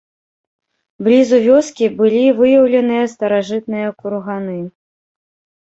Блізу вёскі былі выяўленыя старажытныя курганы.